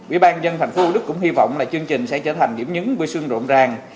ủy ban nhân thành phố thủ đức cũng hy vọng là chương trình sẽ trở thành diễm nhấn bươi sương rộn ràng